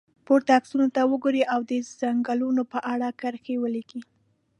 پورته عکسونو ته وګورئ او د څنګلونو په اړه کرښې ولیکئ.